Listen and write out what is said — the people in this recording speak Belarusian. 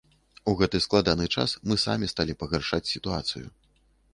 У гэты складаны час мы самі сталі пагаршаць сітуацыю.